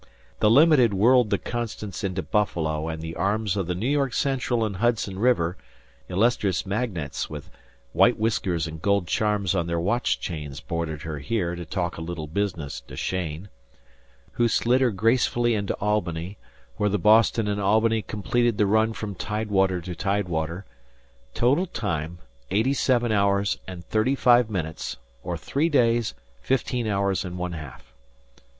The Limited whirled the "Constance" into Buffalo and the arms of the New York Central and Hudson River (illustrious magnates with white whiskers and gold charms on their watch chains boarded her here to talk a little business to Cheyne), who slid her gracefully into Albany, where the Boston and Albany completed the run from tide water to tide water total time, eighty seven hours and thirty five minutes, or three days, fifteen hours and one half.